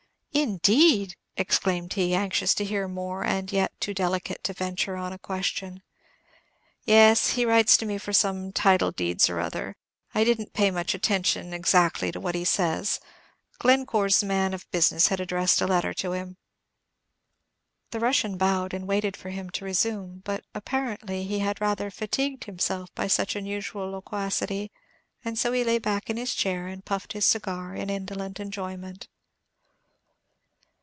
"Indeed!" exclaimed he, anxious to hear more, and yet too delicate to venture on a question. "Yes; he writes to me for some title deeds or other. I did n't pay much attention, exactly, to what he says. Glen core's man of business had addressed a letter to him." The Russian bowed, and waited for him to resume; but, apparently, he had rather fatigued himself by such unusual loquacity, and so he lay back in his chair, and puffed his cigar in indolent enjoyment.